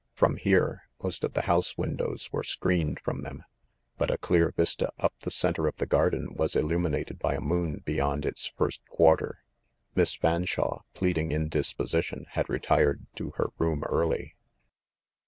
From here, most of the house windows were screened from them; but a clear vista up the center of the garden was illuminated by a moon be yond its first quarter. Miss Fanshawe, pleading indis position, had retired to her room early.